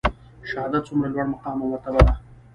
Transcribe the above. شهادت څومره لوړ مقام او مرتبه ده؟